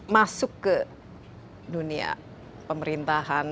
masuk ke dunia pemerintahan